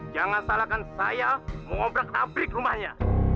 jangan salahkan saya mengobrak abrik rumahnya